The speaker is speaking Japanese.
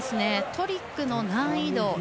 トリックの難易度